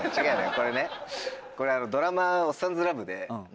これねドラマ『おっさんずラブ』で。